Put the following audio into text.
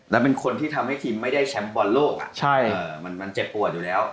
แต่เป็นคนที่ทำไม่ได้ทีมแชมพ์บอลโลกมันเจ็บปวดอยู่แล้ว